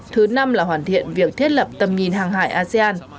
thứ năm là hoàn thiện việc thiết lập tầm nhìn hàng hải asean